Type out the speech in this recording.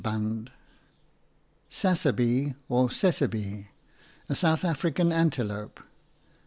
Sassaby or Sessebe, a South African antelope.